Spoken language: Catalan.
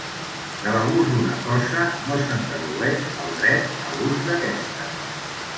De l'abús d'una cosa no se'n dedueix el dret a l'ús d'aquesta.